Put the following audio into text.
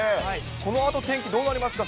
このあと天気どうなりますか。